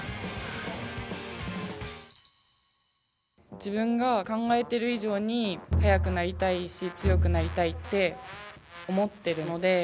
自分が考えてる以上に速くなりたいし強くなりたいって思ってるので。